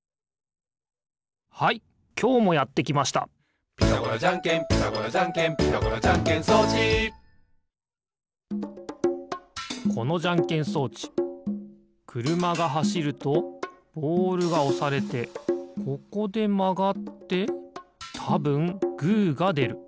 はいきょうもやってきました「ピタゴラじゃんけんピタゴラじゃんけん」「ピタゴラじゃんけん装置」このじゃんけん装置くるまがはしるとボールがおされてここでまがってたぶんグーがでる。